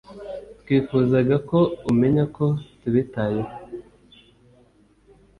Twifuzaga ko umenya ko tubitayeho